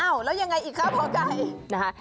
อ้าวแล้วยังไงอีกครับหัวไก่